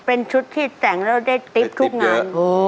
เป็นชุดที่แต่งแล้วได้ติ๊บทุกงาน